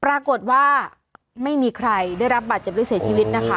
ปรากฏว่าไม่มีใครได้รับบาดเจ็บหรือเสียชีวิตนะคะ